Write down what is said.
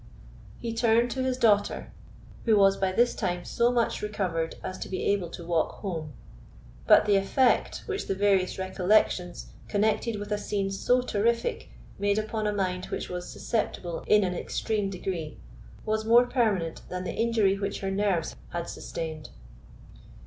He turned to his daughter, who was by this time so much recovered as to be able to walk home. But the effect, which the various recollections connected with a scene so terrific made upon a mind which was susceptible in an extreme degree, was more permanent than the injury which her nerves had sustained.